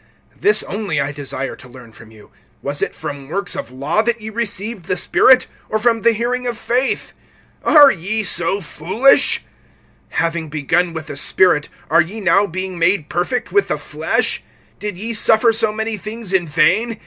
(2)This only I desire to learn from you: Was it from works of law that ye received the Spirit, or from the hearing of faith? (3)Are ye so foolish? Having begun with the Spirit, are ye now being made perfect[3:3] with the flesh? (4)Did ye suffer so many things in vain?